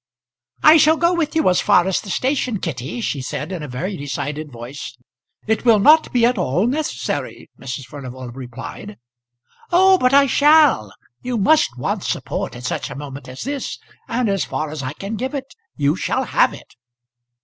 "I shall go with you as far as the station, Kitty," she said in a very decided voice. "It will not be at all necessary," Mrs. Furnival replied. "Oh, but I shall. You must want support at such a moment as this, and as far as I can give it you shall have it."